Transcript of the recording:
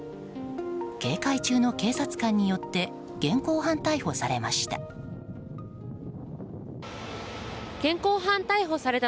警戒中の警察官によって現行犯逮捕されました。